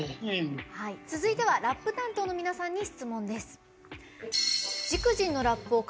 続いてはラップ担当の皆さんに質問です。